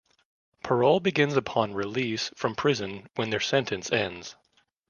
Parole begins upon release from prison when their sentence ends.